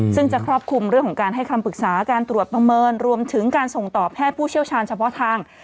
ซึ่งจะครอบคลุมเรื่องของการให้คำปรึกษาการตรวจประเมินรวมถึงการส่งต่อแพทย์ผู้เชี่ยวชาญเฉพาะทาง